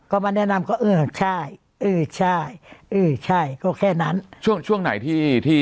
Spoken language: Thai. ก็มาแนะนำก็เออใช่เออใช่เออใช่ก็แค่นั้นช่วงช่วงไหนที่ที่